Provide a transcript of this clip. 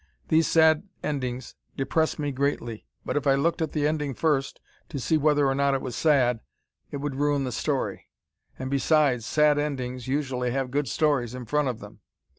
These sad endings depress me greatly, but if I looked at the ending first to see whether or not it was sad it would ruin the story; and besides sad endings usually have good stories in front of them.